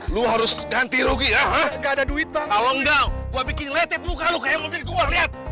kalau enggak gue bikin lecet dulu kalau kayak mobil gua liat